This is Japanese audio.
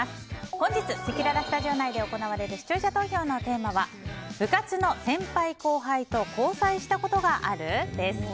本日せきららスタジオ内で行われる視聴者投票のテーマは部活の先輩・後輩と交際したことがある？です。